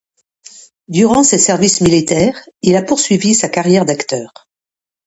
Durant ses services militaires, il a poursuivi sa carrière d’acteur.